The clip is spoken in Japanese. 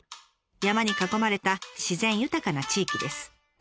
山に囲まれた自然豊かな地域です。